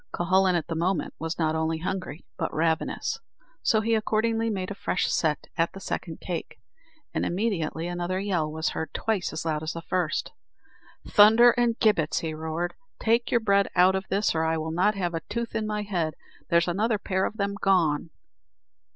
Cuhullin at the moment was not only hungry, but ravenous, so he accordingly made a fresh set at the second cake, and immediately another yell was heard twice as loud as the first. "Thunder and gibbets!" he roared, "take your bread out of this, or I will not have a tooth in my head; there's another pair of them gone!"